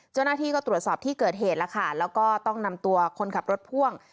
เจ้าหน้าที่ก็ตรวจสอบที่เกิดเหตุแล้วค่ะแล้วก็ต้องนำตัวคนขับรถพ่วง